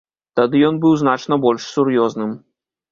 Тады ён быў значна больш сур'ёзным.